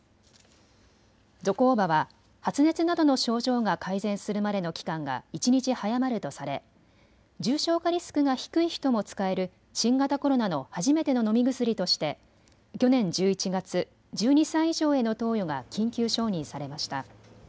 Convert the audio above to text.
ゾコーバは発熱などの症状が改善するまでの期間が一日早まるとされ、重症化リスクが低い人も使える新型コロナの初めての飲み薬として去年１１月、１２歳以上への投与が緊急承認されました。